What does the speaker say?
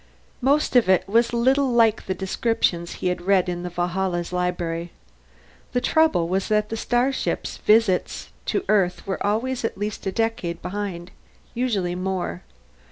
Most of it was little like the descriptions he had read in the Valhalla's library. The trouble was that the starship's visits to Earth were always at least a decade behind, usually more.